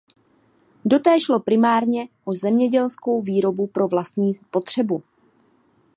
Do té šlo primárně o zemědělskou výrobu pro vlastní potřebu.